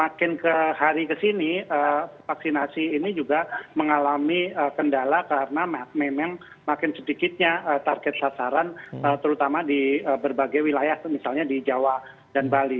makin ke hari ke sini vaksinasi ini juga mengalami kendala karena memang makin sedikitnya target sasaran terutama di berbagai wilayah misalnya di jawa dan bali